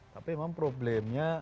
tapi memang problemnya